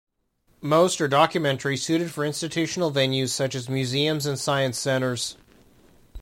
Most are documentaries suited for institutional venues such as museums and science centers.